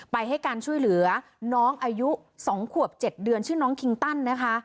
ให้การช่วยเหลือน้องอายุ๒ขวบ๗เดือนชื่อน้องคิงตันนะคะ